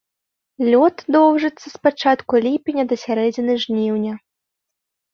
Лёт доўжыцца з пачатку ліпеня да сярэдзіны жніўня.